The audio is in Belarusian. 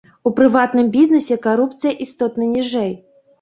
У прыватным бізнэсе карупцыя істотна ніжэй.